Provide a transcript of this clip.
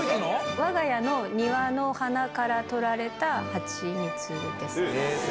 わが家の庭の花から取られた蜂蜜です。